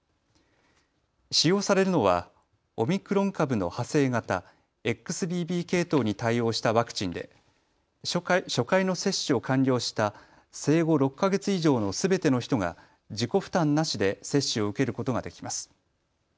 使用されるのはオミクロン株の派生型、ＸＢＢ系統に対応したワクチンで初回の接種を完了した生後６か月以上のすべての人が自己負担なしで接種を受けることができます。